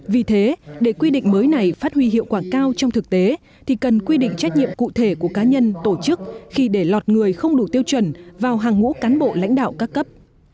vì thế để quy định mới này phát huy hiệu quả cao trong thực tế thì cần quy định trách nhiệm cụ thể của cá nhân tổ chức khi để lọt người không đủ tiêu chuẩn vào hàng ngũ cán bộ lãnh đạo các cấp